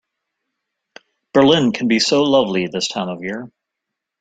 Berlin can be so lovely this time of year.